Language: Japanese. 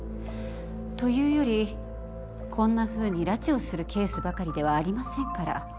というよりこんなふうに拉致をするケースばかりではありませんから。